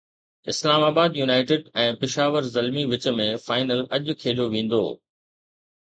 اسلام آباد يونائيٽيڊ ۽ پشاور زلمي وچ ۾ فائنل اڄ کيڏيو ويندو